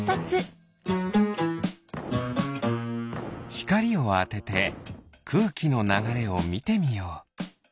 ひかりをあててくうきのながれをみてみよう。